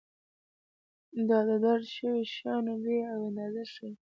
دا د درج شویو شیانو بیې او اندازې ښيي.